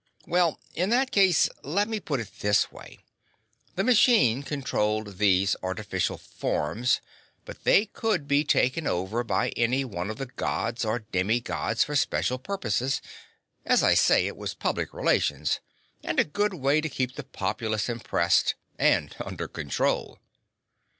"Well, in that case, let me put it this way. The machine controlled these artificial forms, but they could be taken over by any one of the Gods or demi Gods for special purposes. As I say, it was public relations and a good way to keep the populace impressed and under control."